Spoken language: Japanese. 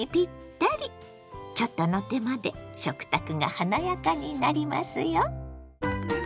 ちょっとの手間で食卓が華やかになりますよ。